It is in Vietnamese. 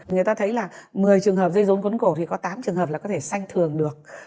người ta thấy là một mươi trường hợp dây rốn cổ thì có tám trường hợp là có thể xanh thường được